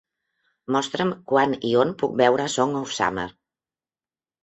Mostra'm quan i on puc veure Song of Summer